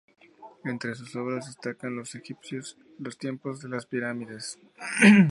Entre sus obras destacan: "Los Egipcios", "Los tiempos de las pirámides.